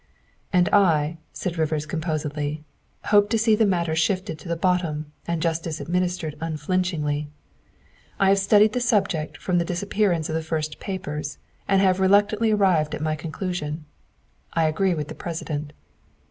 "And I," said Rivers composedly, " hope to see the matter sifted to the bottom and justice administered unflinchingly. I have studied the subject from the dis appearance of the first papers and have reluctantly arrived at my conclusion. I agree with the President."